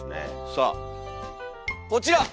さあこちら！